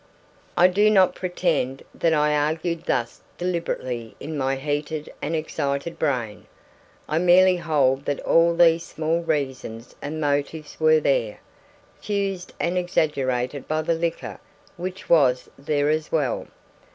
I do not pretend that I argued thus deliberately in my heated and excited brain. I merely hold that all these small reasons and motives were there, fused and exaggerated by the liquor which was there as well.